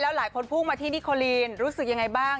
แล้วหลายคนพูดมาที่นี่โคลีนรู้สึกยังไงบ้าง